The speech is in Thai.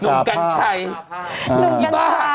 หนุ่มกัญชาย